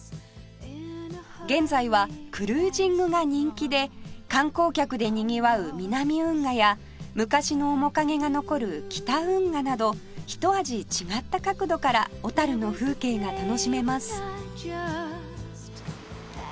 現在はクルージングが人気で観光客でにぎわう南運河や昔の面影が残る北運河などひと味違った角度から小の風景が楽しめます